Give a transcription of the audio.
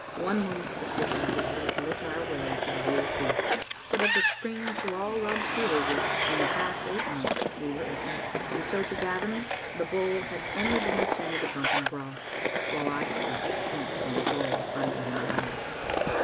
One moment's suspicion would have lit our way to the whole truth, but of the spring to all Rob's behavior in the past eight months we were ignorant, and so to Gavin the Bull had only been the scene of a drunken brawl, while I forgot to think in the joy of finding him alive.